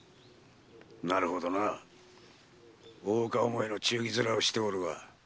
なるほどな大岡思いの忠義面をしておるわ。